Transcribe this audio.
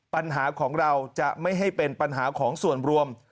ปัญหาของเราจะไม่ให้เป็นปัญหาของส่วนรวม